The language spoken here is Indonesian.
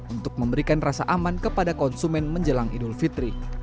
untuk memberikan rasa aman kepada konsumen menjelang idul fitri